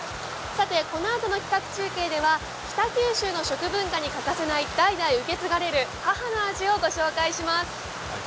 このあとの企画中継では北九州の食文化に欠かせない、代々受け継がれる母の味をご紹介します。